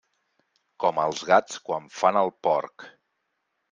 Com als gats quan fan el porc.